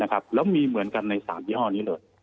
แล้วมีเหมือนกันใน๓ยี่ห้อนี้เลย